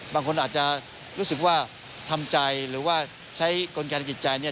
บางคนอาจจะรู้สึกว่าทำใจหรือว่าใช้กลไกทางจิตใจเนี่ย